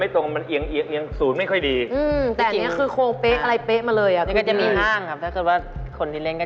ไม่มีสี่ห้าอันน้องของพี่แพงสุดอเรนนี่กินโอเค